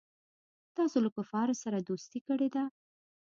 تاسو له کفارو سره دوستي کړې ده.